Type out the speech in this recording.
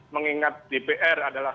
mengingat dpr adalah